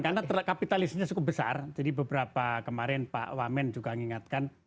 karena terlalu kapitalisnya cukup besar jadi beberapa kemarin pak wamen juga mengingatkan